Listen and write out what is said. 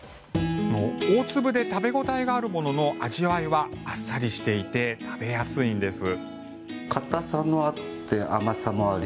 大粒で食べ応えがあるものの味わいはあっさりしていて食べやすいんです。